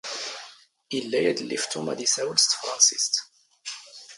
ⵉⵍⵍⴰ ⵢⴰⴷⵍⵍⵉ ⴼ ⵜⵓⵎ ⴰⴷ ⵉⵙⴰⵡⵍ ⵙ ⵜⴼⵕⴰⵏⵙⵉⵙⵜ.